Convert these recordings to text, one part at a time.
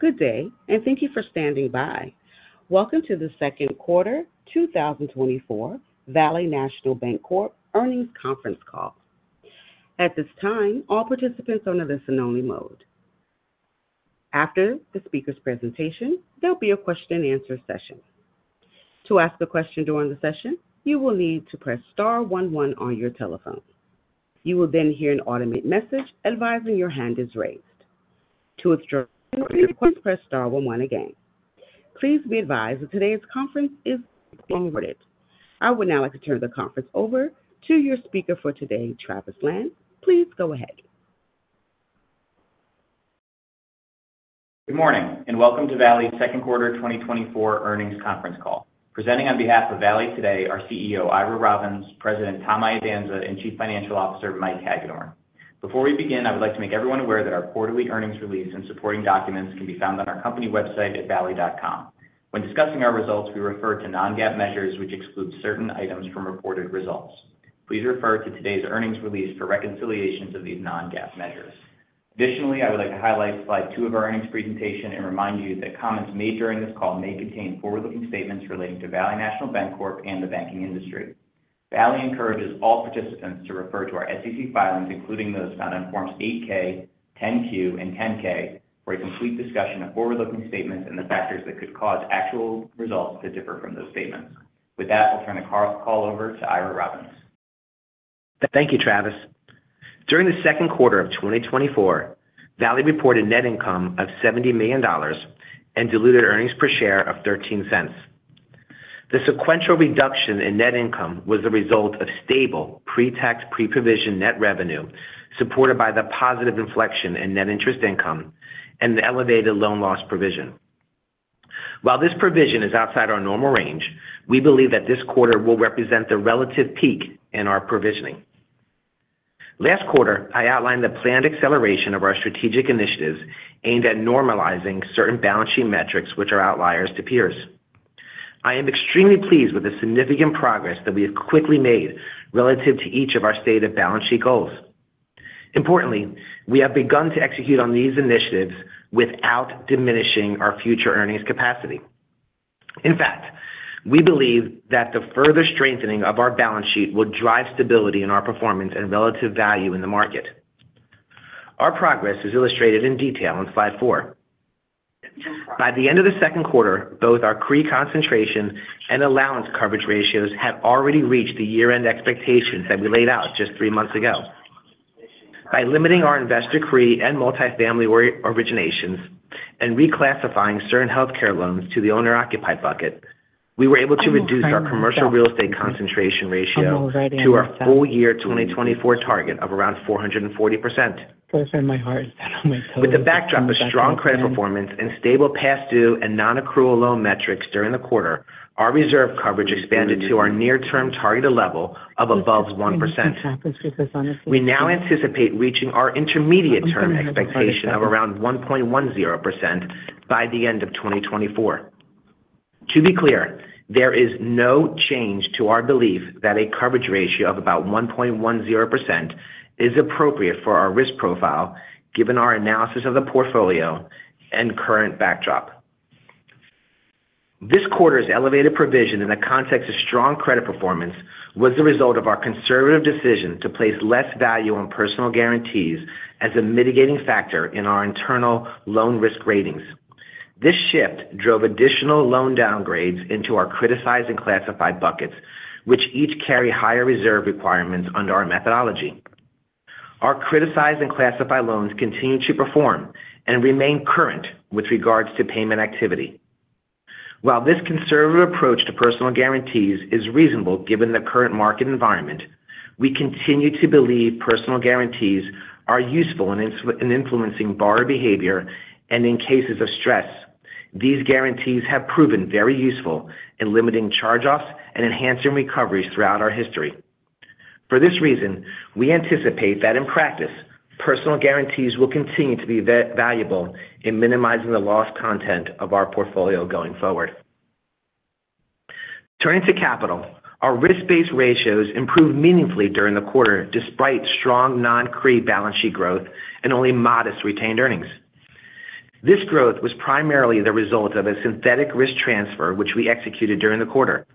Good day, and thank you for standing by. Welcome to the second quarter 2024 Valley National Bancorp Earnings Conference Call. At this time, all participants are on a listen-only mode. After the speaker's presentation, there'll be a question-and-answer session. To ask a question during the session, you will need to press star one one on your telephone. You will then hear an automated message advising your hand is raised. To withdraw, please press star one one again. Please be advised that today's conference is being recorded. I would now like to turn the conference over to your speaker for today, Travis Lan. Please go ahead. Good morning, and welcome to Valley's second quarter 2024 Earnings Conference Call. Presenting on behalf of Valley today are CEO Ira Robbins, President Tom Iadanza, and Chief Financial Officer Mike Hagedorn. Before we begin, I would like to make everyone aware that our quarterly earnings release and supporting documents can be found on our company website at valley.com. When discussing our results, we refer to non-GAAP measures, which exclude certain items from reported results. Please refer to today's earnings release for reconciliations of these non-GAAP measures. Additionally, I would like to highlight slide 2 of our earnings presentation and remind you that comments made during this call may contain forward-looking statements relating to Valley National Bancorp and the banking industry. Valley encourages all participants to refer to our SEC filings, including those found on Forms 8-K, 10-Q, and 10-K, for a complete discussion of forward-looking statements and the factors that could cause actual results to differ from those statements. With that, we'll turn the call over to Ira Robbins. Thank you, Travis. During the second quarter of 2024, Valley reported net income of $70 million and diluted earnings per share of $0.13. The sequential reduction in net income was the result of stable pre-tax, pre-provision net revenue, supported by the positive inflection in net interest income and the elevated loan loss provision. While this provision is outside our normal range, we believe that this quarter will represent the relative peak in our provisioning. Last quarter, I outlined the planned acceleration of our strategic initiatives aimed at normalizing certain balance sheet metrics, which are outliers to peers. I am extremely pleased with the significant progress that we have quickly made relative to each of our stated balance sheet goals. Importantly, we have begun to execute on these initiatives without diminishing our future earnings capacity. In fact, we believe that the further strengthening of our balance sheet will drive stability in our performance and relative value in the market. Our progress is illustrated in detail on slide 4. By the end of the second quarter, both our CRE concentration and allowance coverage ratios have already reached the year-end expectations that we laid out just three months ago. By limiting our investor CRE and multifamily originations and reclassifying certain healthcare loans to the owner-occupied bucket, we were able to reduce our commercial real estate concentration ratio to our full year 2024 target of around 440%. With the backdrop of strong credit performance and stable past due and non-accrual loan metrics during the quarter, our reserve coverage expanded to our near-term targeted level of above 1%. We now anticipate reaching our intermediate-term expectation of around 1.10% by the end of 2024. To be clear, there is no change to our belief that a coverage ratio of about 1.10% is appropriate for our risk profile, given our analysis of the portfolio and current backdrop. This quarter's elevated provision in the context of strong credit performance was the result of our conservative decision to place less value on personal guarantees as a mitigating factor in our internal loan risk ratings. This shift drove additional loan downgrades into our criticized and classified buckets, which each carry higher reserve requirements under our methodology. Our criticized and classified loans continue to perform and remain current with regards to payment activity. While this conservative approach to personal guarantees is reasonable given the current market environment, we continue to believe personal guarantees are useful in influencing borrower behavior and in cases of stress. These guarantees have proven very useful in limiting charge-offs and enhancing recoveries throughout our history. For this reason, we anticipate that in practice, personal guarantees will continue to be valuable in minimizing the loss content of our portfolio going forward. Turning to capital, our risk-based ratios improved meaningfully during the quarter, despite strong non-CRE balance sheet growth and only modest retained earnings. This growth was primarily the result of a synthetic risk transfer, which we executed during the quarter.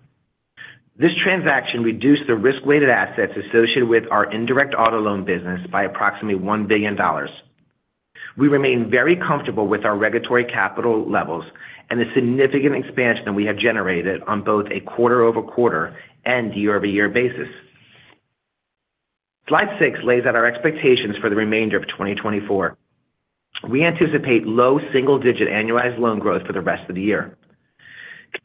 This transaction reduced the risk-weighted assets associated with our indirect auto loan business by approximately $1 billion. We remain very comfortable with our regulatory capital levels and the significant expansion we have generated on both a quarter-over-quarter and year-over-year basis. Slide 6 lays out our expectations for the remainder of 2024. We anticipate low single-digit annualized loan growth for the rest of the year.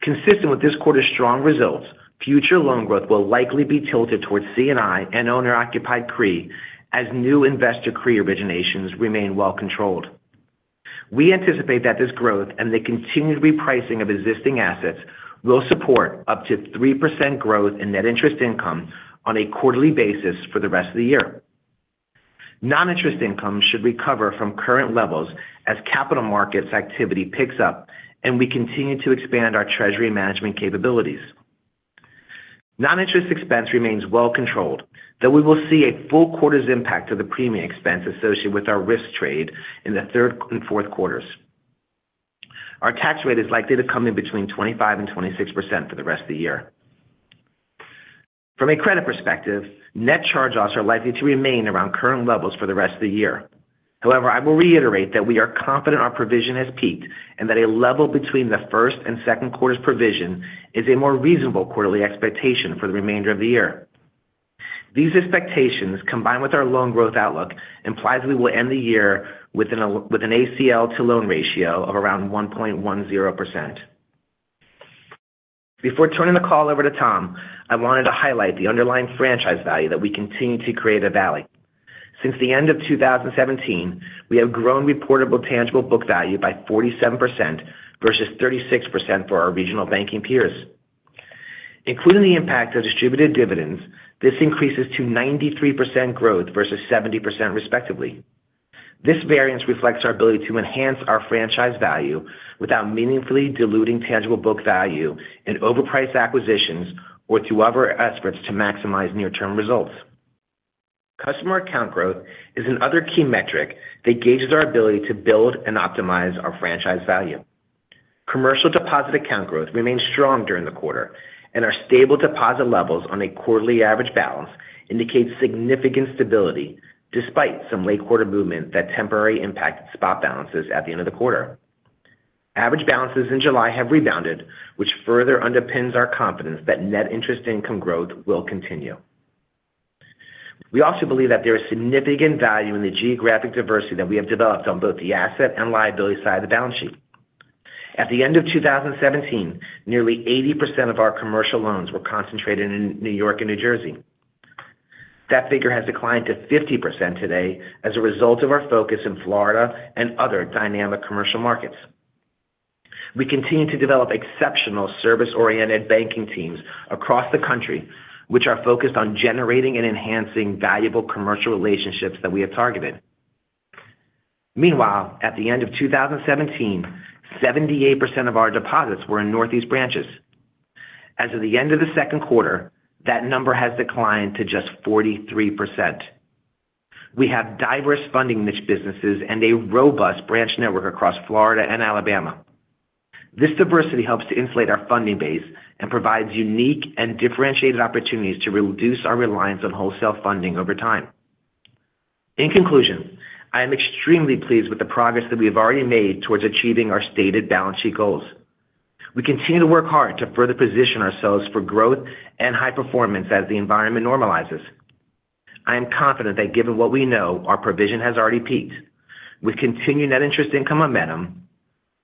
Consistent with this quarter's strong results, future loan growth will likely be tilted towards C&I and owner-occupied CRE as new investor CRE originations remain well controlled. We anticipate that this growth and the continued repricing of existing assets will support up to 3% growth in net interest income on a quarterly basis for the rest of the year. Non-interest income should recover from current levels as capital markets activity picks up, and we continue to expand our treasury management capabilities.... Non-interest expense remains well controlled, though we will see a full quarter's impact of the premium expense associated with our risk trade in the third and fourth quarters. Our tax rate is likely to come in between 25% and 26% for the rest of the year. From a credit perspective, net charge-offs are likely to remain around current levels for the rest of the year. However, I will reiterate that we are confident our provision has peaked, and that a level between the first and second quarter's provision is a more reasonable quarterly expectation for the remainder of the year. These expectations, combined with our loan growth outlook, implies we will end the year with an ACL to loan ratio of around 1.10%. Before turning the call over to Tom, I wanted to highlight the underlying franchise value that we continue to create at Valley. Since the end of 2017, we have grown reportable tangible book value by 47% versus 36% for our regional banking peers. Including the impact of distributed dividends, this increases to 93% growth versus 70%, respectively. This variance reflects our ability to enhance our franchise value without meaningfully diluting tangible book value and overpriced acquisitions, or through other efforts to maximize near-term results. Customer account growth is another key metric that gauges our ability to build and optimize our franchise value. Commercial deposit account growth remained strong during the quarter, and our stable deposit levels on a quarterly average balance indicates significant stability, despite some late quarter movement that temporarily impacted spot balances at the end of the quarter. Average balances in July have rebounded, which further underpins our confidence that net interest income growth will continue. We also believe that there is significant value in the geographic diversity that we have developed on both the asset and liability side of the balance sheet. At the end of 2017, nearly 80% of our commercial loans were concentrated in New York and New Jersey. That figure has declined to 50% today as a result of our focus in Florida and other dynamic commercial markets. We continue to develop exceptional service-oriented banking teams across the country, which are focused on generating and enhancing valuable commercial relationships that we have targeted. Meanwhile, at the end of 2017, 78% of our deposits were in Northeast branches. As of the end of the second quarter, that number has declined to just 43%. We have diverse funding niche businesses and a robust branch network across Florida and Alabama. This diversity helps to insulate our funding base and provides unique and differentiated opportunities to reduce our reliance on wholesale funding over time. In conclusion, I am extremely pleased with the progress that we have already made towards achieving our stated balance sheet goals. We continue to work hard to further position ourselves for growth and high performance as the environment normalizes. I am confident that given what we know, our provision has already peaked. With continued Net Interest Income momentum,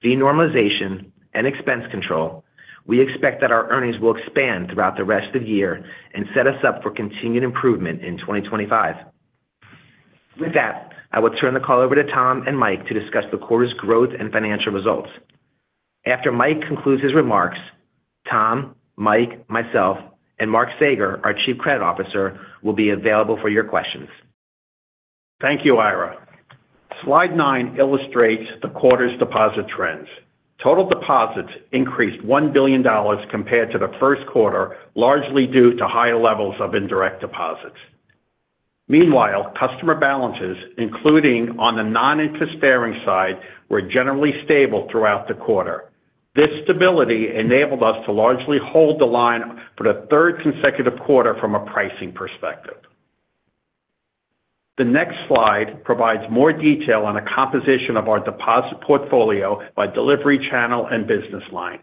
denormalization, and expense control, we expect that our earnings will expand throughout the rest of the year and set us up for continued improvement in 2025. With that, I will turn the call over to Tom and Mike to discuss the quarter's growth and financial results. After Mike concludes his remarks, Tom, Mike, myself, and Mark Saeger, our Chief Credit Officer, will be available for your questions. Thank you, Ira. Slide 9 illustrates the quarter's deposit trends. Total deposits increased $1 billion compared to the first quarter, largely due to higher levels of indirect deposits. Meanwhile, customer balances, including on the non-interest-bearing side, were generally stable throughout the quarter. This stability enabled us to largely hold the line for the third consecutive quarter from a pricing perspective. The next slide provides more detail on the composition of our deposit portfolio by delivery channel and business line.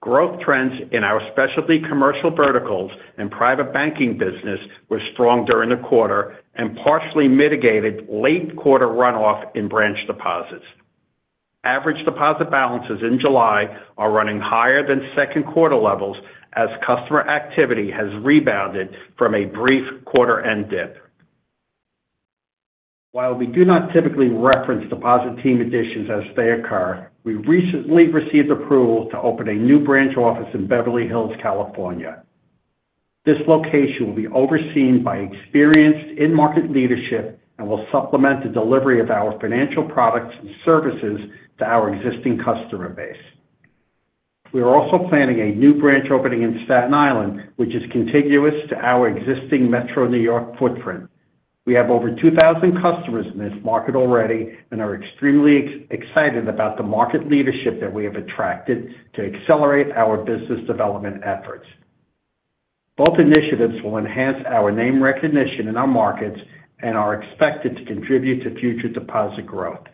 Growth trends in our specialty commercial verticals and private banking business were strong during the quarter and partially mitigated late quarter runoff in branch deposits. Average deposit balances in July are running higher than second quarter levels as customer activity has rebounded from a brief quarter-end dip. While we do not typically reference deposit team additions as they occur, we recently received approval to open a new branch office in Beverly Hills, California. This location will be overseen by experienced in-market leadership and will supplement the delivery of our financial products and services to our existing customer base. We are also planning a new branch opening in Staten Island, which is contiguous to our existing metro New York footprint. We have over 2,000 customers in this market already and are extremely excited about the market leadership that we have attracted to accelerate our business development efforts. Both initiatives will enhance our name recognition in our markets and are expected to contribute to future deposit growth.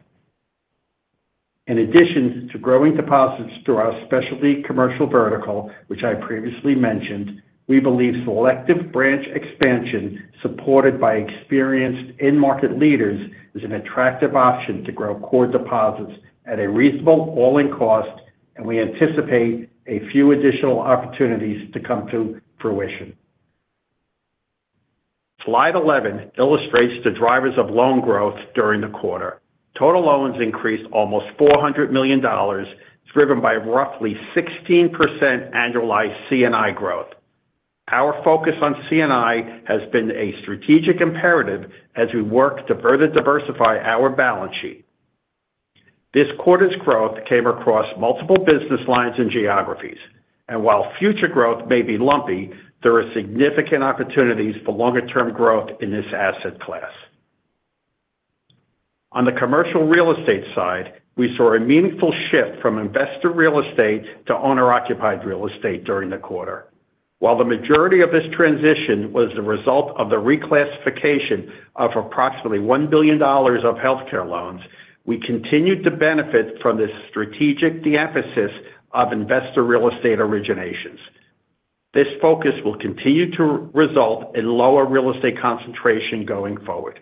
In addition to growing deposits through our specialty commercial vertical, which I previously mentioned, we believe selective branch expansion, supported by experienced in-market leaders, is an attractive option to grow core deposits at a reasonable all-in cost, and we anticipate a few additional opportunities to come to fruition. Slide 11 illustrates the drivers of loan growth during the quarter. Total loans increased almost $400 million, driven by roughly 16% annualized C&I growth. Our focus on C&I has been a strategic imperative as we work to further diversify our balance sheet.... This quarter's growth came across multiple business lines and geographies, and while future growth may be lumpy, there are significant opportunities for longer-term growth in this asset class. On the commercial real estate side, we saw a meaningful shift from investor real estate to owner-occupied real estate during the quarter. While the majority of this transition was the result of the reclassification of approximately $1 billion of healthcare loans, we continued to benefit from the strategic de-emphasis of investor real estate originations. This focus will continue to result in lower real estate concentration going forward.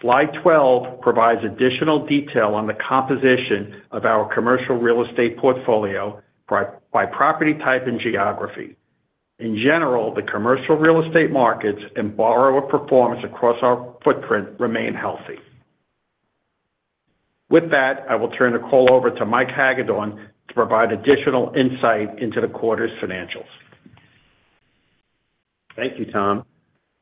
Slide 12 provides additional detail on the composition of our commercial real estate portfolio by property type and geography. In general, the commercial real estate markets and borrower performance across our footprint remain healthy. With that, I will turn the call over to Mike Hagedorn to provide additional insight into the quarter's financials. Thank you, Tom.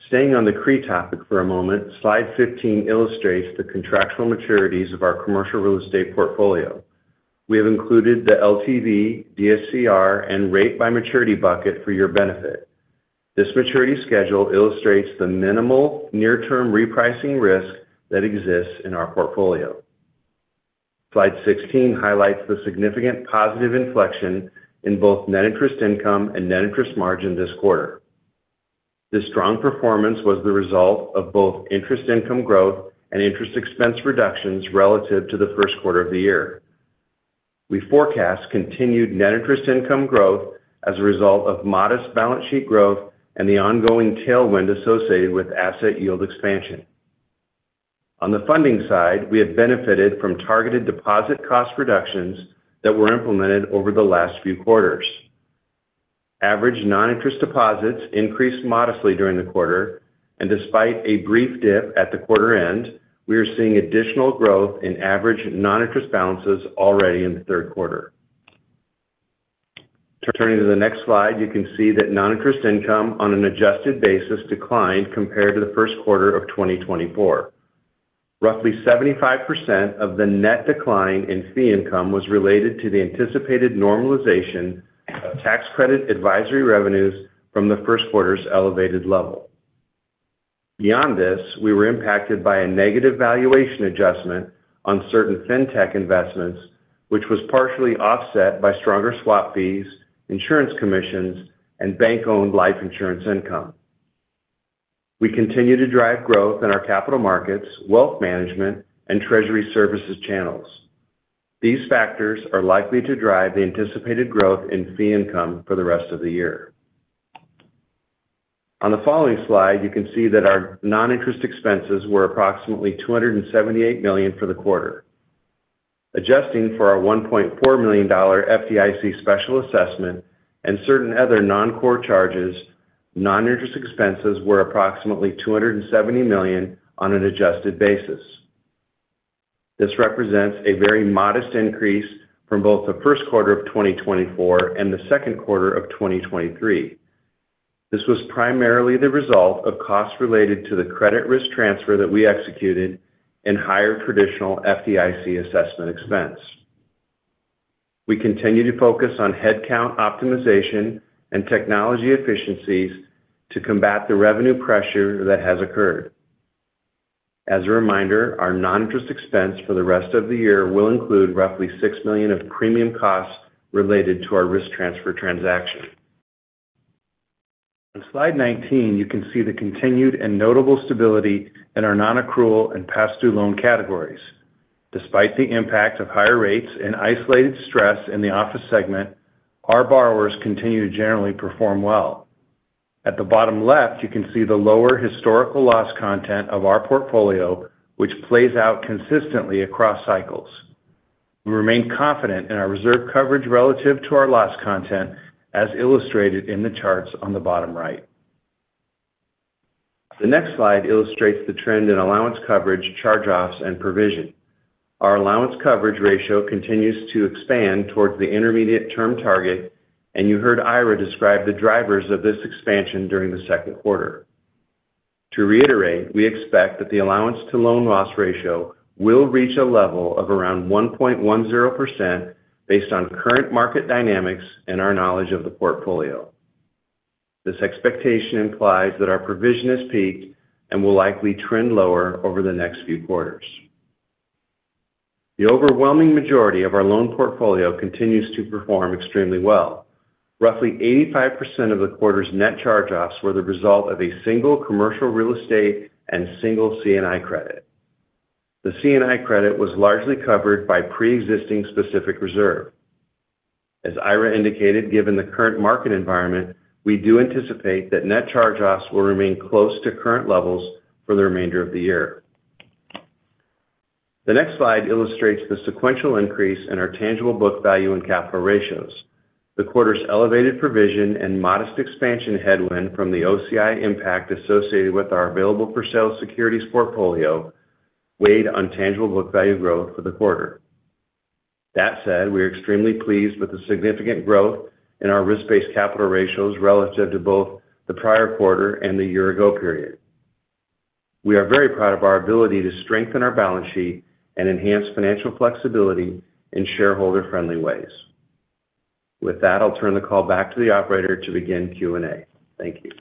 Staying on the CRE topic for a moment, slide 15 illustrates the contractual maturities of our commercial real estate portfolio. We have included the LTV, DSCR, and rate by maturity bucket for your benefit. This maturity schedule illustrates the minimal near-term repricing risk that exists in our portfolio. Slide 16 highlights the significant positive inflection in both net interest income and net interest margin this quarter. This strong performance was the result of both interest income growth and interest expense reductions relative to the first quarter of the year. We forecast continued net interest income growth as a result of modest balance sheet growth and the ongoing tailwind associated with asset yield expansion. On the funding side, we have benefited from targeted deposit cost reductions that were implemented over the last few quarters. Average non-interest deposits increased modestly during the quarter, and despite a brief dip at the quarter end, we are seeing additional growth in average non-interest balances already in the third quarter. Turning to the next slide, you can see that non-interest income on an adjusted basis declined compared to the first quarter of 2024. Roughly 75% of the net decline in fee income was related to the anticipated normalization of tax credit advisory revenues from the first quarter's elevated level. Beyond this, we were impacted by a negative valuation adjustment on certain fintech investments, which was partially offset by stronger swap fees, insurance commissions, and bank-owned life insurance income. We continue to drive growth in our capital markets, wealth management, and treasury services channels. These factors are likely to drive the anticipated growth in fee income for the rest of the year. On the following slide, you can see that our non-interest expenses were approximately $278 million for the quarter. Adjusting for our $1.4 million FDIC special assessment and certain other non-core charges, non-interest expenses were approximately $270 million on an adjusted basis. This represents a very modest increase from both the first quarter of 2024 and the second quarter of 2023. This was primarily the result of costs related to the credit risk transfer that we executed and higher traditional FDIC assessment expense. We continue to focus on headcount optimization and technology efficiencies to combat the revenue pressure that has occurred. As a reminder, our non-interest expense for the rest of the year will include roughly $6 million of premium costs related to our risk transfer transaction. On slide 19, you can see the continued and notable stability in our nonaccrual and pass-through loan categories. Despite the impact of higher rates and isolated stress in the office segment, our borrowers continue to generally perform well. At the bottom left, you can see the lower historical loss content of our portfolio, which plays out consistently across cycles. We remain confident in our reserve coverage relative to our loss content, as illustrated in the charts on the bottom right. The next slide illustrates the trend in allowance coverage, charge-offs, and provision. Our allowance coverage ratio continues to expand towards the intermediate-term target, and you heard Ira describe the drivers of this expansion during the second quarter. To reiterate, we expect that the allowance to loan loss ratio will reach a level of around 1.10% based on current market dynamics and our knowledge of the portfolio. This expectation implies that our provision has peaked and will likely trend lower over the next few quarters. The overwhelming majority of our loan portfolio continues to perform extremely well. Roughly 85% of the quarter's net charge-offs were the result of a single commercial real estate and single C&I credit. The C&I credit was largely covered by preexisting specific reserve. As Ira indicated, given the current market environment, we do anticipate that net charge-offs will remain close to current levels for the remainder of the year. The next slide illustrates the sequential increase in our tangible book value and capital ratios. The quarter's elevated provision and modest expansion headwind from the OCI impact associated with our available-for-sale securities portfolio weighed on tangible book value growth for the quarter. That said, we are extremely pleased with the significant growth in our risk-based capital ratios relative to both the prior quarter and the year-ago period. We are very proud of our ability to strengthen our balance sheet and enhance financial flexibility in shareholder-friendly ways. With that, I'll turn the call back to the operator to begin Q&A. Thank you.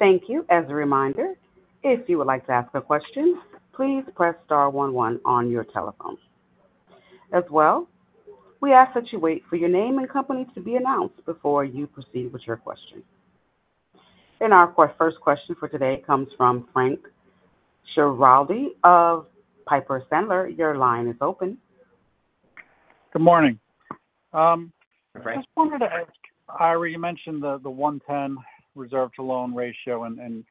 Thank you. As a reminder, if you would like to ask a question, please press star one one on your telephone. As well, we ask that you wait for your name and company to be announced before you proceed with your question. And our first question for today comes from Frank Schiraldi of Piper Sandler. Your line is open. Good morning. Hi, Frank. I just wanted to ask, Ira, you mentioned the 1.10 reserve-to-loan ratio, and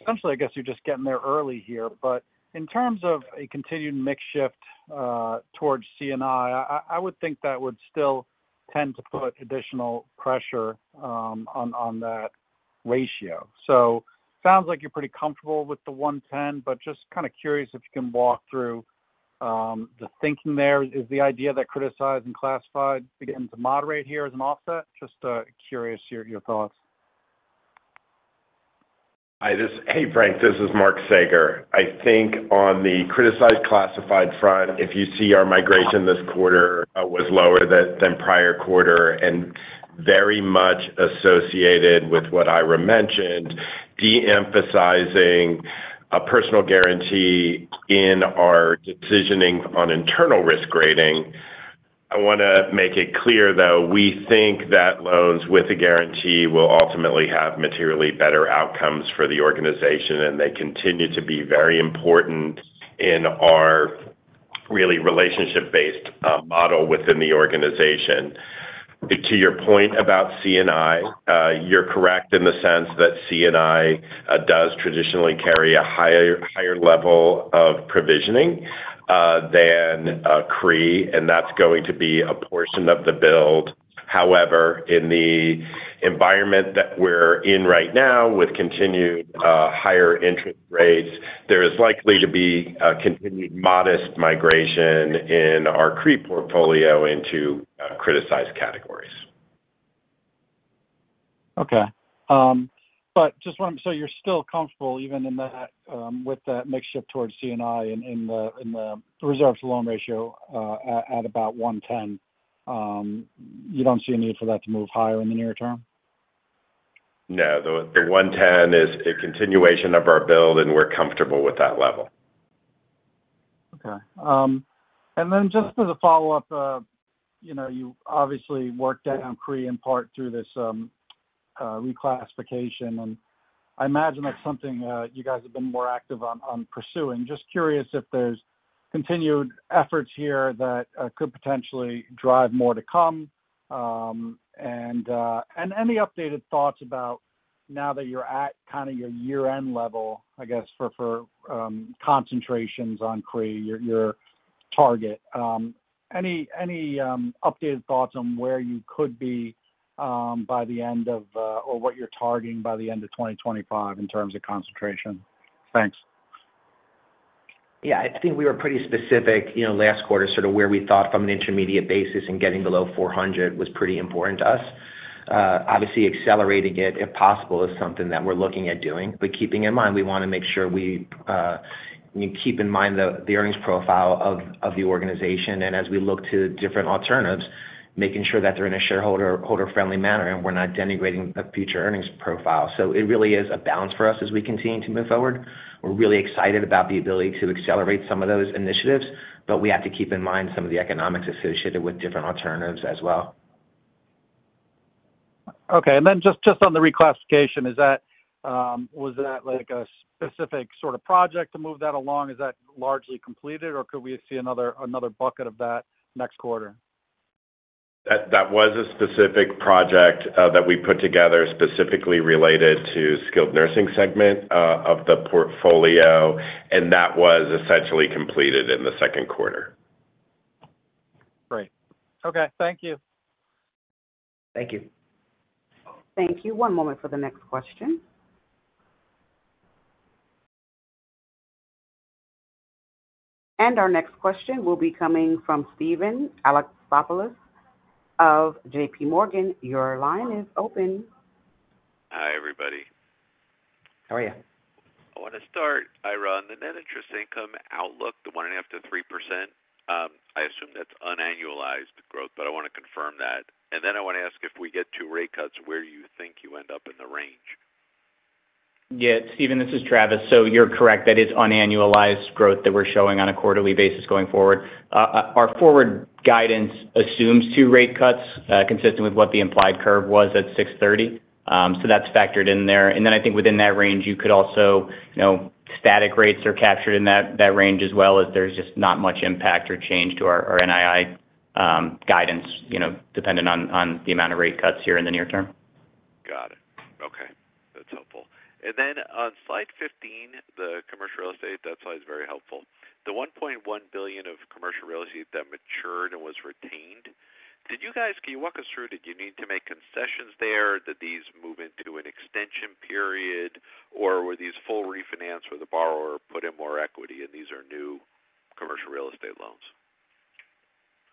essentially, I guess you're just getting there early here. But in terms of a continued mix shift towards C&I, I would think that would still tend to put additional pressure on that ratio. So sounds like you're pretty comfortable with the 1.10, but just kind of curious if you can walk through the thinking there. Is the idea that criticized and classified beginning to moderate here as an offset? Just curious your thoughts. Hey, Frank, this is Mark Saeger. I think on the criticized classified front, if you see our migration this quarter, was lower than prior quarter, and very much associated with what Ira mentioned, de-emphasizing a personal guarantee in our decisioning on internal risk grading. I want to make it clear, though, we think that loans with a guarantee will ultimately have materially better outcomes for the organization, and they continue to be very important in our really relationship-based model within the organization. To your point about C&I, you're correct in the sense that C&I does traditionally carry a higher level of provisioning than CRE, and that's going to be a portion of the build. However, in the environment that we're in right now, with continued higher interest rates, there is likely to be a continued modest migration in our CRE portfolio into criticized categories. Okay. But just one, so you're still comfortable, even in that, with that mix shift towards C&I in the reserves loan ratio at about 1.10. You don't see a need for that to move higher in the near term? No, the 110 is a continuation of our build, and we're comfortable with that level. Okay. And then just as a follow-up, you know, you obviously worked down CRE in part through this reclassification, and I imagine that's something you guys have been more active on, on pursuing. Just curious if there's continued efforts here that could potentially drive more to come. And any updated thoughts about, now that you're at kind of your year-end level, I guess, for concentrations on CRE, your target. Any updated thoughts on where you could be by the end of, or what you're targeting by the end of 2025 in terms of concentration? Thanks. Yeah, I think we were pretty specific, you know, last quarter, sort of where we thought from an intermediate basis and getting below 400 was pretty important to us. Obviously accelerating it, if possible, is something that we're looking at doing. But keeping in mind, we want to make sure we keep in mind the earnings profile of the organization, and as we look to different alternatives, making sure that they're in a shareholder-holder friendly manner, and we're not denigrating a future earnings profile. So it really is a balance for us as we continue to move forward. We're really excited about the ability to accelerate some of those initiatives, but we have to keep in mind some of the economics associated with different alternatives as well. Okay, and then just on the reclassification, was that like a specific sort of project to move that along? Is that largely completed, or could we see another bucket of that next quarter? That, that was a specific project that we put together specifically related to skilled nursing segment of the portfolio, and that was essentially completed in the second quarter. Great. Okay, thank you. Thank you. Thank you. One moment for the next question. And our next question will be coming from Steven Alexopoulos of J.P. Morgan. Your line is open. Hi, everybody. How are you? I want to start, Ira, on the Net Interest Income outlook, the 1.5%-3%. I assume that's unannualized growth, but I want to confirm that. Then I want to ask, if we get two rate cuts, where you think you end up in the range? Yeah, Steven, this is Travis. So you're correct, that is unannualized growth that we're showing on a quarterly basis going forward. Our forward guidance assumes two rate cuts, consistent with what the implied curve was at six thirty. So that's factored in there. And then I think within that range, you could also, you know, static rates are captured in that range as well, as there's just not much impact or change to our NII guidance, you know, dependent on the amount of rate cuts here in the near term. Got it. Okay, that's helpful. And then on slide 15, the commercial real estate, that slide is very helpful. The $1.1 billion of commercial real estate that matured and was retained. Did you guys, can you walk us through, did you need to make concessions there? Did these move into an extension period, or were these full refinance where the borrower put in more equity, and these are new commercial real estate loans?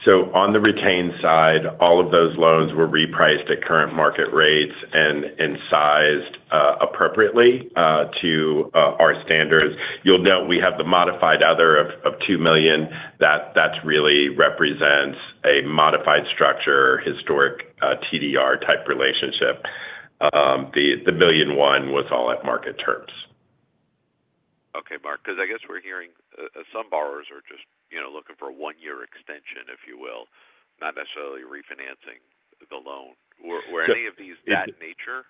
So on the retained side, all of those loans were repriced at current market rates and sized appropriately to our standards. You'll note we have the modified other of $2 million, that's really represents a modified structure, historic TDR-type relationship. The $1 billion one was all at market terms. Okay, Mark, because I guess we're hearing some borrowers are just, you know, looking for a one-year extension, if you will, not necessarily refinancing the loan. Were any of these that nature?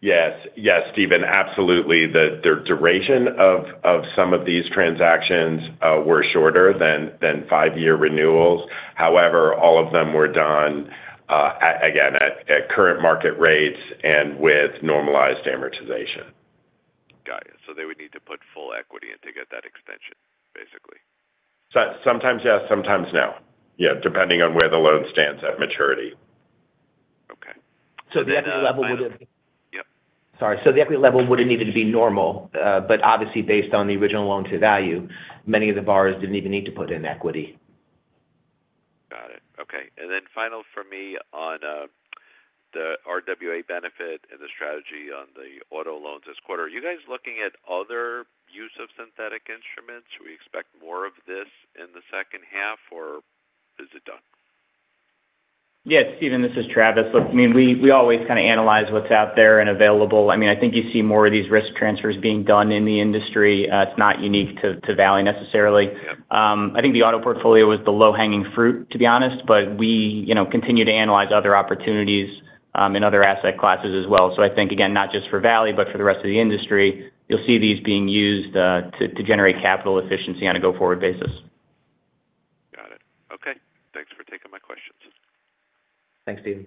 Yes. Yes, Steven, absolutely. The duration of some of these transactions were shorter than five-year renewals. However, all of them were done again at current market rates and with normalized amortization. Got you. So they would need to put full equity in to get that extension, basically? Sometimes yes, sometimes no. Yeah, depending on where the loan stands at maturity. Okay. So the equity level would have. Sorry, so the equity level would have needed to be normal, but obviously, based on the original loan to value, many of the borrowers didn't even need to put in equity. Got it. Okay. And then final for me on, the RWA benefit and the strategy on the auto loans this quarter. Are you guys looking at other use of synthetic instruments? We expect more of this in the second half, or is it done? Yes, Steven, this is Travis. Look, I mean, we, we always kind of analyze what's out there and available. I mean, I think you see more of these risk transfers being done in the industry. It's not unique to, to Valley necessarily. I think the auto portfolio was the low-hanging fruit, to be honest, but we, you know, continue to analyze other opportunities, in other asset classes as well. So I think, again, not just for Valley, but for the rest of the industry, you'll see these being used, to, to generate capital efficiency on a go-forward basis. Got it. Okay. Thanks for taking my questions. Thanks, Steven.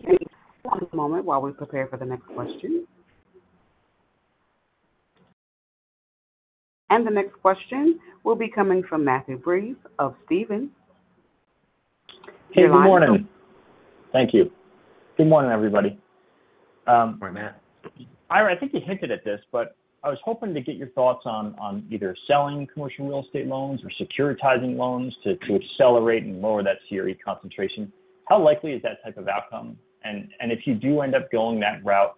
Thank you. One moment while we prepare for the next question. The next question will be coming from Matt Breese of Stephens. Hey, good morning. Thank you. Good morning, everybody, Good morning, Matt. Ira, I think you hinted at this, but I was hoping to get your thoughts on either selling commercial real estate loans or securitizing loans to accelerate and lower that CRE concentration. How likely is that type of outcome? And if you do end up going that route,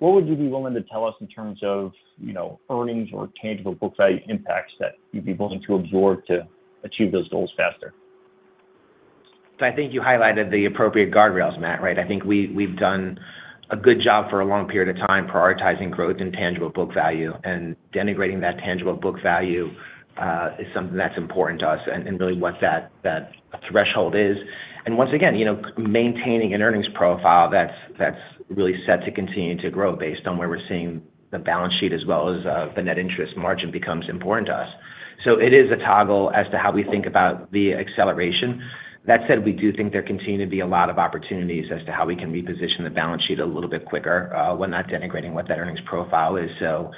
what would you be willing to tell us in terms of, you know, earnings or tangible book value impacts that you'd be willing to absorb to achieve those goals faster? I think you highlighted the appropriate guardrails, Matt, right? I think we, we've done a good job for a long period of time, prioritizing growth and tangible book value, and denigrating that tangible book value, is something that's important to us and, and really what that, that threshold is. And once again, you know, maintaining an earnings profile that's, that's really set to continue to grow based on where we're seeing the balance sheet, as well as, the net interest margin becomes important to us. So it is a toggle as to how we think about the acceleration. That said, we do think there continue to be a lot of opportunities as to how we can reposition the balance sheet a little bit quicker, while not denigrating what that earnings profile is. So,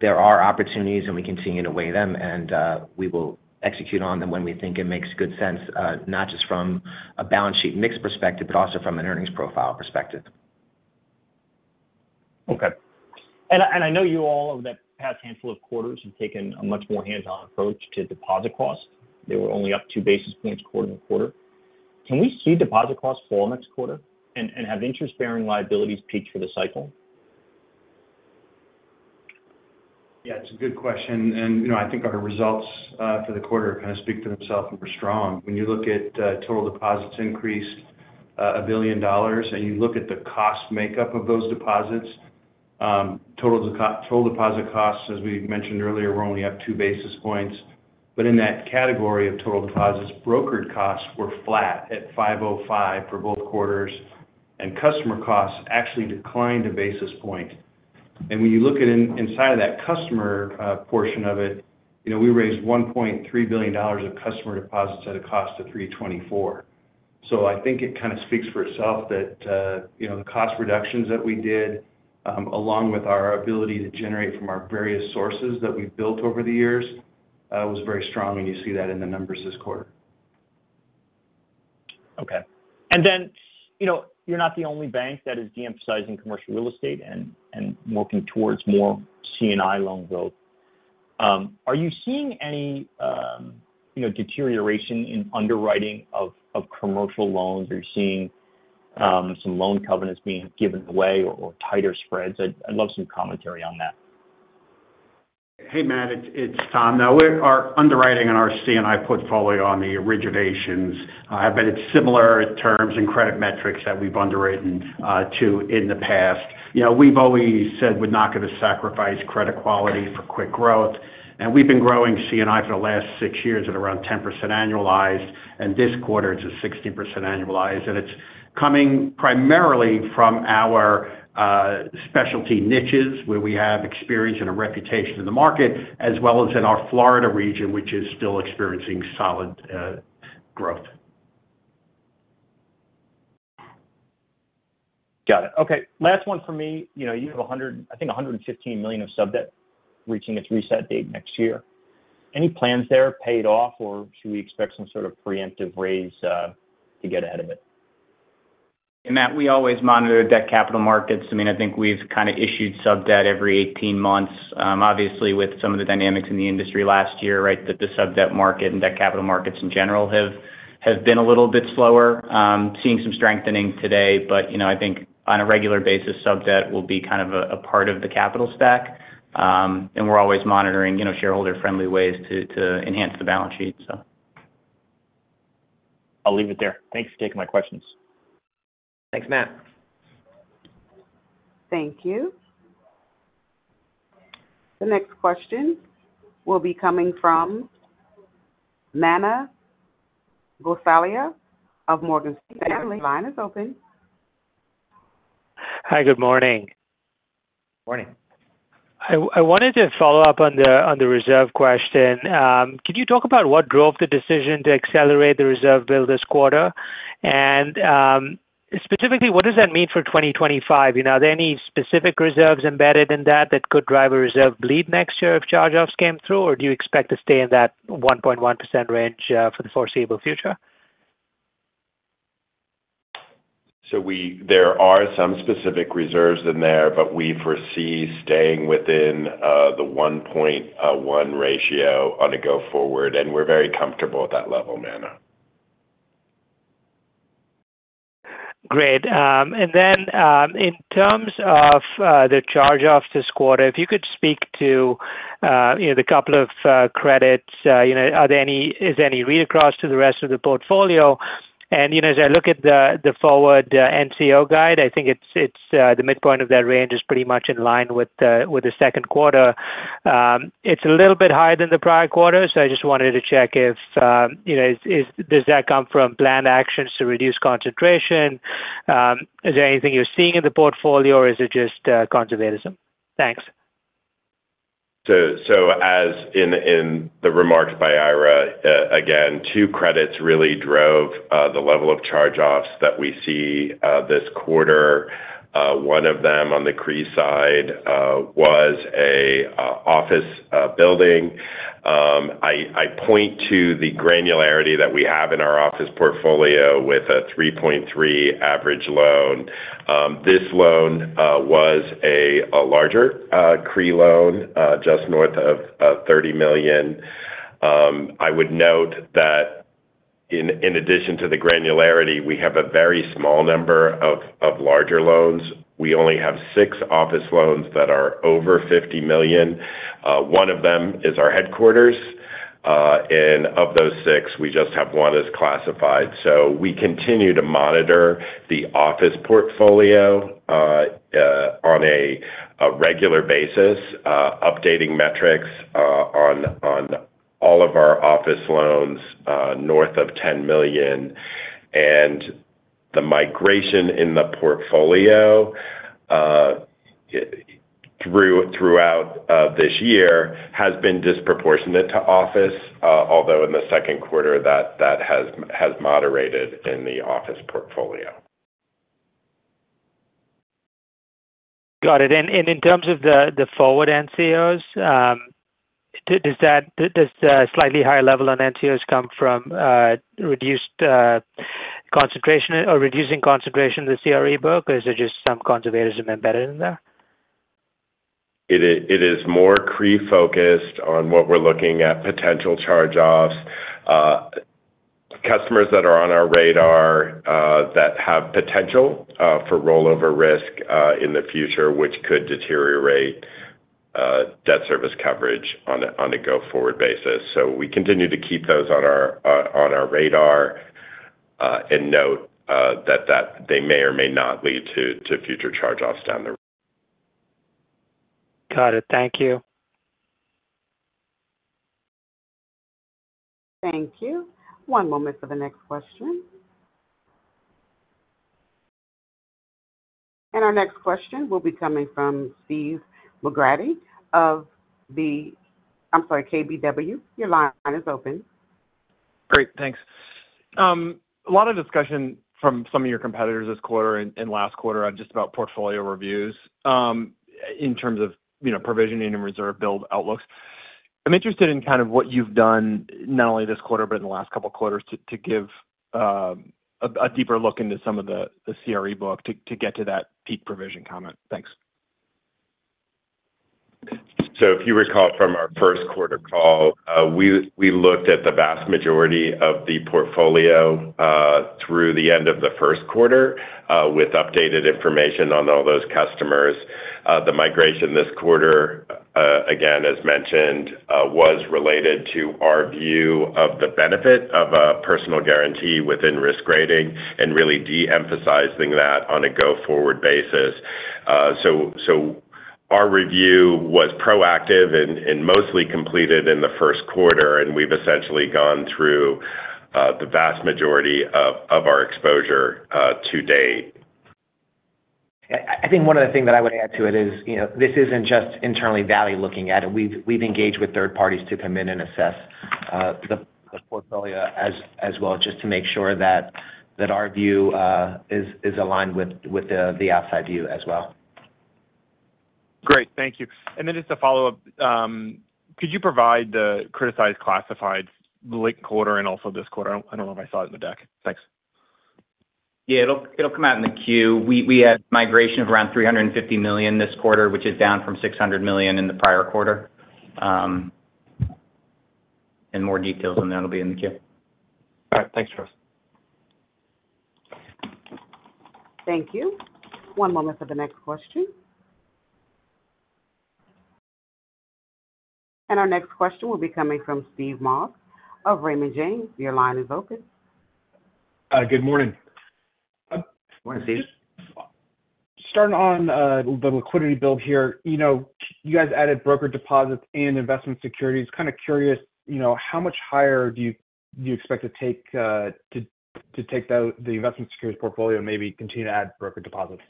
there are opportunities, and we continue to weigh them, and we will execute on them when we think it makes good sense, not just from a balance sheet mix perspective, but also from an earnings profile perspective. Okay. I know you all, over the past handful of quarters, have taken a much more hands-on approach to deposit costs. They were only up 2 basis points quarter-over-quarter. Can we see deposit costs fall next quarter and have interest-bearing liabilities peak for the cycle? Yeah, it's a good question, and, you know, I think our results for the quarter kind of speak to themselves and were strong. When you look at total deposits increased $1 billion, and you look at the cost makeup of those deposits, total deposit costs, as we mentioned earlier, were only up 2 basis points. But in that category of total deposits, brokered costs were flat at 505 for both quarters, and customer costs actually declined a basis point. And when you look at inside of that customer portion of it, you know, we raised $1.3 billion of customer deposits at a cost of 324. So I think it kind of speaks for itself that, you know, the cost reductions that we did, along with our ability to generate from our various sources that we've built over the years, was very strong, and you see that in the numbers this quarter. Okay. And then, you know, you're not the only bank that is de-emphasizing commercial real estate and working towards more C&I loan growth. Are you seeing any, you know, deterioration in underwriting of commercial loans? Are you seeing some loan covenants being given away or tighter spreads? I'd love some commentary on that. Hey, Matt, it's Tom. Now, our underwriting on our C&I portfolio on the originations, I bet it's similar terms and credit metrics that we've underwritten to in the past. You know, we've always said we're not going to sacrifice credit quality for quick growth, and we've been growing C&I for the last six years at around 10% annualized, and this quarter it's a 16% annualized. And it's coming primarily from our specialty niches, where we have experience and a reputation in the market, as well as in our Florida region, which is still experiencing solid growth. Got it. Okay, last one for me. You know, you have $100, I think, $115 million of sub-debt reaching its reset date next year. Any plans there paid off, or should we expect some sort of preemptive raise to get ahead of it? And Matt, we always monitor debt capital markets. I mean, I think we've kind of issued sub-debt every 18 months. Obviously, with some of the dynamics in the industry last year, right, that the sub-debt market and debt capital markets in general have been a little bit slower. Seeing some strengthening today, but, you know, I think on a regular basis, sub-debt will be kind of a part of the capital stack. And we're always monitoring, you know, shareholder-friendly ways to enhance the balance sheet, so. I'll leave it there. Thanks for taking my questions. Thanks, Matt. Thank you. The next question will be coming from Manan Gosalia of Morgan Stanley. Your line is open. Hi, good morning. Morning. I wanted to follow up on the, on the reserve question. Could you talk about what drove the decision to accelerate the reserve build this quarter? Specifically, what does that mean for 2025? You know, are there any specific reserves embedded in that, that could drive a reserve bleed next year if charge-offs came through, or do you expect to stay in that 1.1% range for the foreseeable future? So there are some specific reserves in there, but we foresee staying within the 1.1 ratio on a go forward, and we're very comfortable at that level, Manan. Great. And then, in terms of the charge-offs this quarter, if you could speak to, you know, the couple of credits, you know, are there any, is there any read across to the rest of the portfolio? And, you know, as I look at the forward NCO guide, I think it's the midpoint of that range is pretty much in line with the second quarter. It's a little bit higher than the prior quarter, so I just wanted to check if, you know, is, does that come from planned actions to reduce concentration? Is there anything you're seeing in the portfolio, or is it just conservatism? Thanks. So, as in the remarks by Ira, again, two credits really drove the level of charge-offs that we see this quarter. One of them on the CRE side was a office building. I point to the granularity that we have in our office portfolio with a $3.3 million average loan. This loan was a larger CRE loan just north of $30 million. I would note that in addition to the granularity, we have a very small number of larger loans. We only have six office loans that are over $50 million. One of them is our headquarters, and of those six, we just have one that's classified. So we continue to monitor the office portfolio on a regular basis, updating metrics on all of our office loans north of $10 million. And the migration in the portfolio throughout this year has been disproportionate to office, although in the second quarter, that has moderated in the office portfolio. Got it. And in terms of the forward NCOs, does the slightly higher level on NCOs come from reduced concentration or reducing concentration in the CRE book? Or is it just some conservatism embedded in there? It is, it is more CRE-focused on what we're looking at potential charge-offs. Customers that are on our radar, that have potential, for rollover risk, in the future, which could deteriorate, debt service coverage on a, on a go-forward basis. So we continue to keep those on our, on our radar, and note, that, that they may or may not lead to, to future charge-offs down the road. Got it. Thank you. Thank you. One moment for the next question. Our next question will be coming from Chris McGratty of the... I'm sorry, KBW. Your line is open. Great, thanks. A lot of discussion from some of your competitors this quarter and, and last quarter on just about portfolio reviews, in terms of, you know, provisioning and reserve build outlooks. I'm interested in kind of what you've done, not only this quarter, but in the last couple of quarters to, to give, a deeper look into some of the, the CRE book to, to get to that peak provision comment. Thanks. So if you recall from our first quarter call, we looked at the vast majority of the portfolio, through the end of the first quarter, with updated information on all those customers. The migration this quarter, again, as mentioned, was related to our view of the benefit of a personal guarantee within risk grading and really de-emphasizing that on a go-forward basis. So our review was proactive and mostly completed in the first quarter, and we've essentially gone through the vast majority of our exposure to date. I think one of the things that I would add to it is, you know, this isn't just internally Valley looking at it. We've engaged with third parties to come in and assess the portfolio as well, just to make sure that our view is aligned with the outside view as well. Thank you. Just a follow-up. Could you provide the criticized classifieds last quarter and also this quarter? I don't know if I saw it in the deck. Thanks. Yeah, it'll, it'll come out in the Q. We, we had migration of around $350 million this quarter, which is down from $600 million in the prior quarter. And more details on that will be in the Q. All right, thanks, Travis. Thank you. One moment for the next question. Our next question will be coming from Steve Moss of Raymond James. Your line is open. Good morning. Morning, Steve. Starting on the liquidity build here, you know, you guys added broker deposits and investment securities. Kind of curious, you know, how much higher do you expect to take the investment securities portfolio and maybe continue to add broker deposits?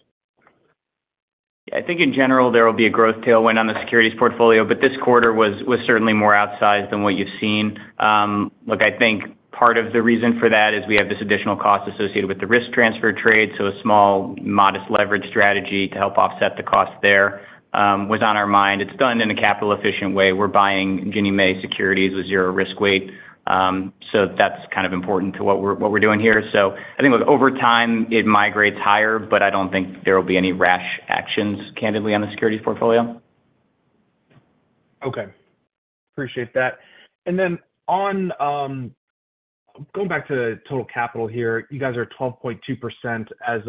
I think in general, there will be a growth tailwind on the securities portfolio, but this quarter was certainly more outsized than what you've seen. Look, I think part of the reason for that is we have this additional cost associated with the risk transfer trade, so a small modest leverage strategy to help offset the cost there was on our mind. It's done in a capital efficient way. We're buying Ginnie Mae securities with zero risk weight, so that's kind of important to what we're doing here. So I think over time, it migrates higher, but I don't think there will be any rash actions, candidly, on the securities portfolio. Okay. Appreciate that. And then on, going back to total capital here, you guys are 12.2% as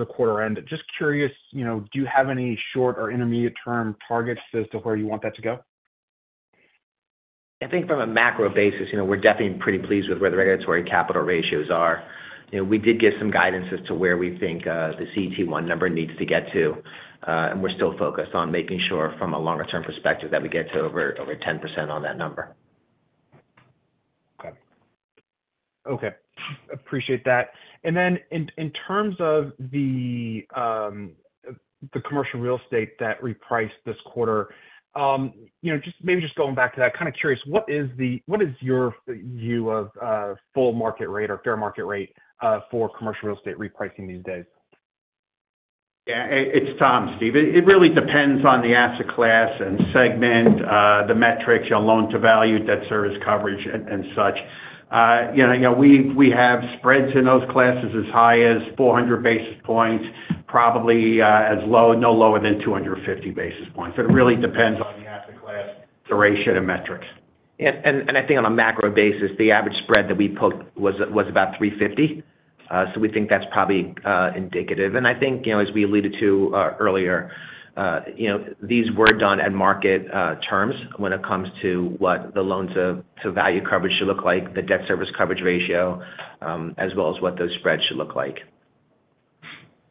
of quarter end. Just curious, you know, do you have any short or intermediate-term targets as to where you want that to go? I think from a macro basis, you know, we're definitely pretty pleased with where the regulatory capital ratios are. You know, we did give some guidance as to where we think, the CET1 number needs to get to, and we're still focused on making sure from a longer-term perspective, that we get to over, over 10% on that number. Okay, appreciate that. And then in terms of the commercial real estate that repriced this quarter, you know, just maybe going back to that, kind of curious, what is your view of full market rate or fair market rate for commercial real estate repricing these days? Yeah, it's Tom, Steve. It really depends on the asset class and segment, the metrics, your loan-to-value, debt service coverage and such. You know, we have spreads in those classes as high as 400 basis points, probably, as low, no lower than 250 basis points. It really depends on the asset class, duration and metrics. Yeah, and, and I think on a macro basis, the average spread that we put was, was about 350. So we think that's probably indicative. And I think, you know, as we alluded to earlier, you know, these were done at market terms when it comes to what the loan-to-value coverage should look like, the debt service coverage ratio, as well as what those spreads should look like.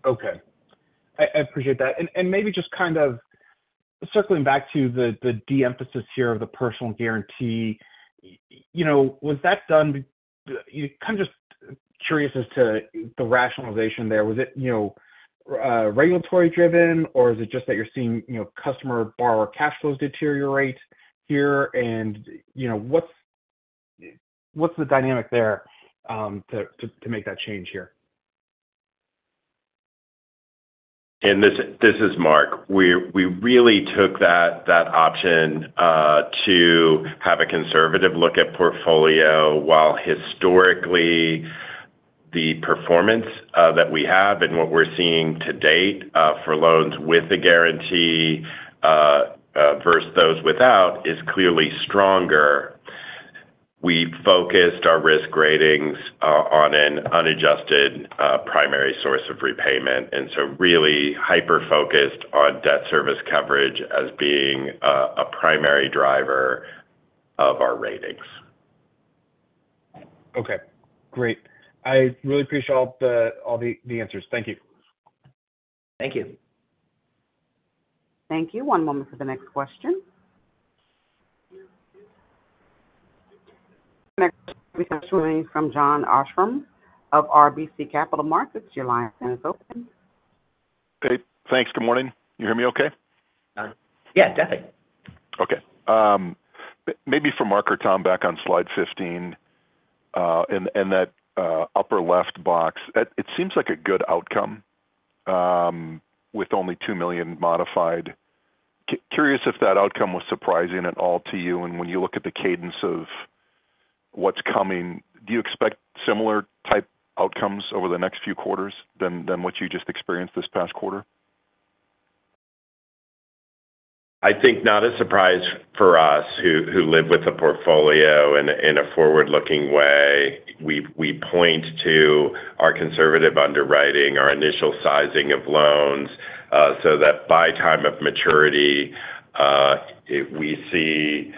Okay. I appreciate that. And maybe just kind of circling back to the de-emphasis here of the personal guarantee, you know, was that done. Kind of just curious as to the rationalization there. Was it, you know, regulatory driven, or is it just that you're seeing, you know, customer borrower cash flows deteriorate here? And, you know, what's the dynamic there, to make that change here? This is Mark. We really took that option to have a conservative look at portfolio. While historically, the performance that we have and what we're seeing to date for loans with a guarantee versus those without is clearly stronger. We focused our risk ratings on an unadjusted primary source of repayment, and so really hyper-focused on debt service coverage as being a primary driver of our ratings. Okay, great. I really appreciate all the answers. Thank you. Thank you. Thank you. One moment for the next question. Next question from Jon Arfstrom of RBC Capital Markets. Your line is open. Hey, thanks. Good morning. You hear me okay? Yeah, definitely. Okay. Maybe for Mark or Tom, back on slide 15, and that upper left box, that it seems like a good outcome with only $2 million modified. Curious if that outcome was surprising at all to you, and when you look at the cadence of what's coming, do you expect similar type outcomes over the next few quarters than what you just experienced this past quarter? I think not a surprise for us, who live with the portfolio in a forward-looking way. We point to our conservative underwriting, our initial sizing of loans, so that by time of maturity, it we see,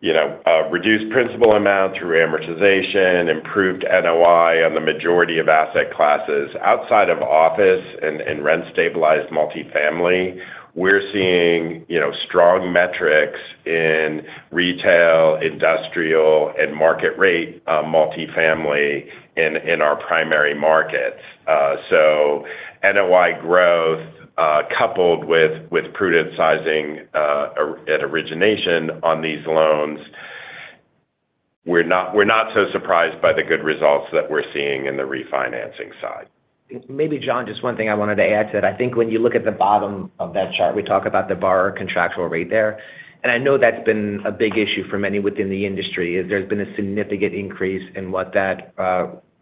you know, reduced principal amount through amortization, improved NOI on the majority of asset classes. Outside of office and rent-stabilized multifamily, we're seeing, you know, strong metrics in retail, industrial, and market rate multifamily in our primary markets. So NOI growth, coupled with prudent sizing at origination on these loans we're not so surprised by the good results that we're seeing in the refinancing side. Maybe, Jon, just one thing I wanted to add to that. I think when you look at the bottom of that chart, we talk about the borrower contractual rate there, and I know that's been a big issue for many within the industry, is there's been a significant increase in what that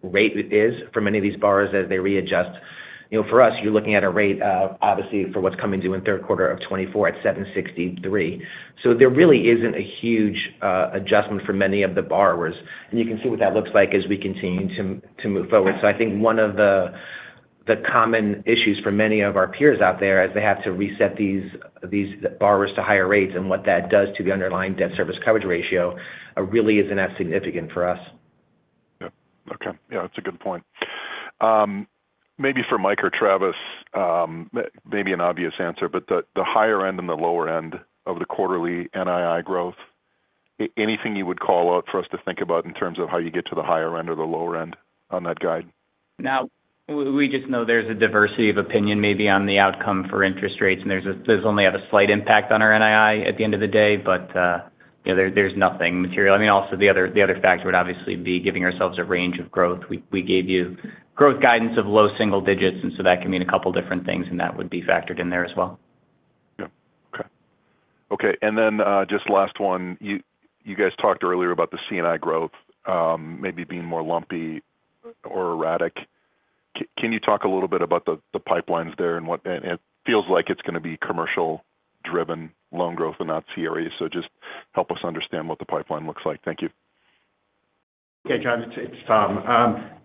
rate is for many of these borrowers as they readjust. You know, for us, you're looking at a rate of, obviously, for what's coming due in third quarter of 2024 at 7.63. So there really isn't a huge adjustment for many of the borrowers. And you can see what that looks like as we continue to move forward. So I think one of the common issues for many of our peers out there, as they have to reset these borrowers to higher rates and what that does to the underlying debt service coverage ratio, really isn't as significant for us. Yep. Okay. Yeah, that's a good point. Maybe for Mike or Travis, maybe an obvious answer, but the higher end and the lower end of the quarterly NII growth, anything you would call out for us to think about in terms of how you get to the higher end or the lower end on that guide? Now, we just know there's a diversity of opinion maybe on the outcome for interest rates, and there's those only have a slight impact on our NII at the end of the day. But, you know, there's nothing material. I mean, also the other factor would obviously be giving ourselves a range of growth. We gave you growth guidance of low single digits, and so that can mean a couple different things, and that would be factored in there as well. Yep. Okay, and then, just last one. You guys talked earlier about the C&I growth, maybe being more lumpy or erratic. Can you talk a little bit about the pipelines there and what, and it feels like it's gonna be commercial-driven loan growth and not CRE, so just help us understand what the pipeline looks like. Thank you. Okay, Jon, it's, it's Tom.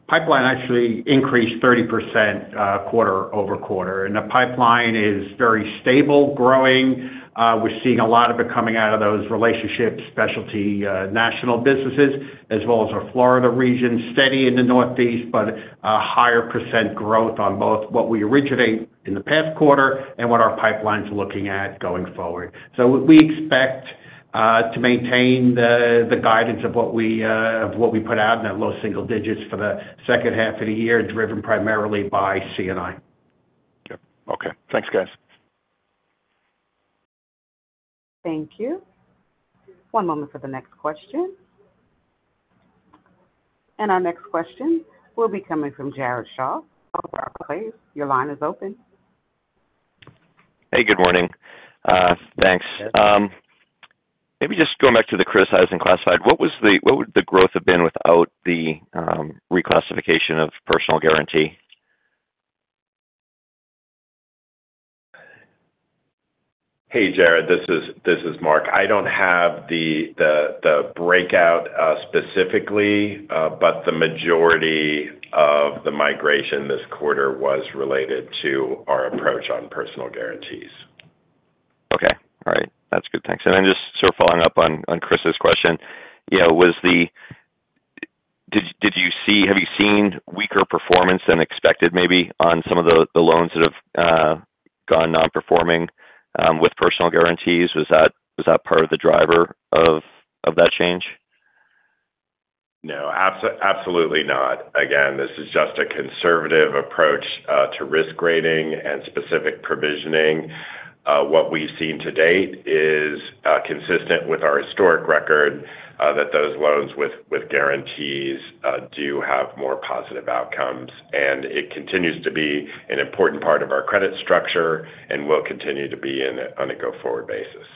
Pipeline actually increased 30%, quarter over quarter, and the pipeline is very stable, growing. We're seeing a lot of it coming out of those relationships, specialty, national businesses, as well as our Florida region. Steady in the Northeast, but a higher percent growth on both what we originate in the past quarter and what our pipeline's looking at going forward. So we expect to maintain the guidance of what we put out in that low single digits for the second half of the year, driven primarily by C&I. Yep. Okay. Thanks, guys. Thank you. One moment for the next question. Our next question will be coming from Jared Shaw of Barclays. Your line is open. Hey, good morning. Thanks. Maybe just going back to the criticized and classified, what would the growth have been without the reclassification of personal guarantee? Hey, Jared, this is Mark. I don't have the breakout specifically, but the majority of the migration this quarter was related to our approach on personal guarantees. Okay. All right. That's good. Thanks. And then just sort of following up on Chris's question, you know, have you seen weaker performance than expected maybe on some of the loans that have gone non-performing with personal guarantees? Was that part of the driver of that change? No, absolutely not. Again, this is just a conservative approach to risk rating and specific provisioning. What we've seen to date is consistent with our historic record that those loans with guarantees do have more positive outcomes. And it continues to be an important part of our credit structure and will continue to be on a go-forward basis.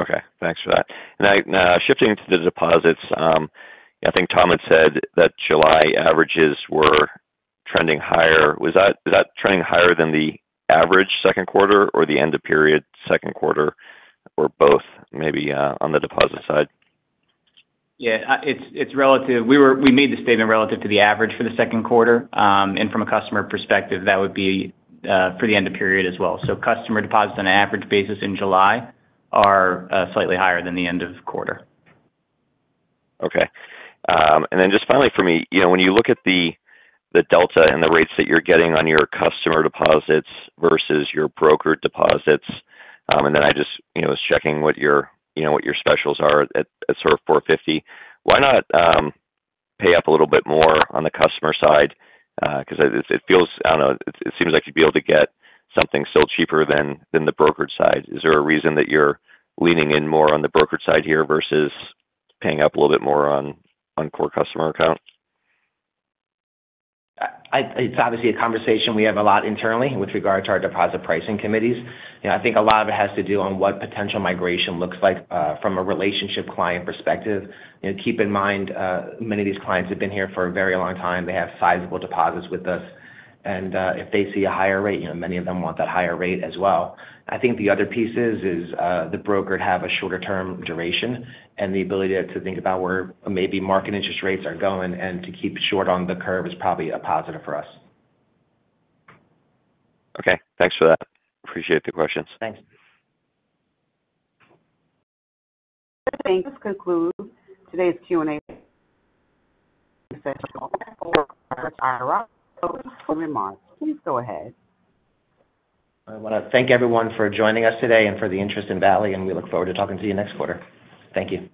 Okay, thanks for that. Now, shifting to the deposits, I think Tom had said that July averages were trending higher. Was that, was that trending higher than the average second quarter or the end of period second quarter, or both, maybe, on the deposit side? Yeah, it's relative. We made the statement relative to the average for the second quarter. And from a customer perspective, that would be for the end of period as well. So customer deposits on an average basis in July are slightly higher than the end of the quarter. Okay. And then just finally for me, you know, when you look at the delta and the rates that you're getting on your customer deposits versus your brokered deposits, and then I just, you know, was checking what your specials are at, at sort of 4.50. Why not pay up a little bit more on the customer side? Because it feels... I don't know, it seems like you'd be able to get something still cheaper than the brokered side. Is there a reason that you're leaning in more on the brokered side here versus paying up a little bit more on core customer accounts? It's obviously a conversation we have a lot internally with regard to our deposit pricing committees. You know, I think a lot of it has to do on what potential migration looks like, from a relationship client perspective. You know, keep in mind, many of these clients have been here for a very long time. They have sizable deposits with us, and if they see a higher rate, you know, many of them want that higher rate as well. I think the other piece is, the brokered have a shorter term duration, and the ability to think about where maybe market interest rates are going and to keep short on the curve is probably a positive for us. Okay, thanks for that. Appreciate the questions. Thanks. This concludes today's Q&A session. For further remarks, please go ahead. I want to thank everyone for joining us today and for the interest in Valley, and we look forward to talking to you next quarter. Thank you.